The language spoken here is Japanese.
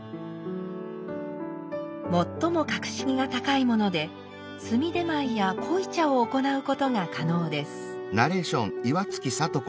最も格式が高いもので炭手前や濃茶を行うことが可能です。